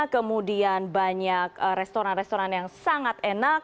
kemudian banyak restoran restoran yang sangat enak